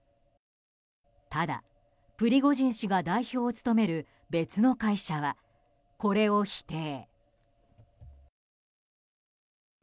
ただプリゴジン氏が代表を務める別の会社は、これを否定。